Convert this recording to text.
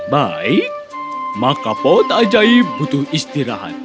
baik maka paud ajaib butuh istirahat